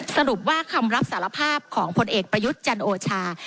สรุปว่าคำรับสารภาพของพลเอกประยุทธ์จันโอชา